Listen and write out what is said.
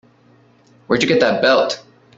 Where'd you get that belt?